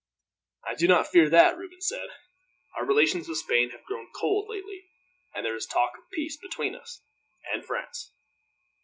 "I do not fear that," Reuben said. "Our relations with Spain have grown cold, lately, and there is a talk of peace between us and France.